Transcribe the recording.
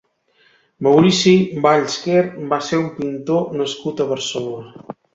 Maurici Vallsquer va ser un pintor nascut a Barcelona.